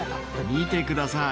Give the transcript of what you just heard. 見てください。